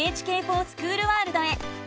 「ＮＨＫｆｏｒＳｃｈｏｏｌワールド」へ。